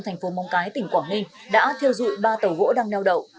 tp mong cái tỉnh quảng ninh đã thiêu dụi ba tàu gỗ đang neo đậu